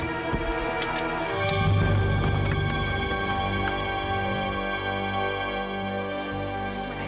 itu kan amirah